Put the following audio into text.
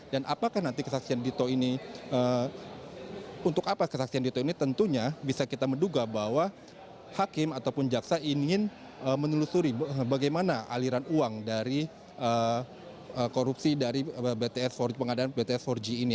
dan apakah nanti kesaksian dito ini untuk apa kesaksian dito ini tentunya bisa kita menduga bahwa hakim ataupun jaksa ingin menelusuri bagaimana aliran uang dari korupsi dari pengadilan bts empat g ini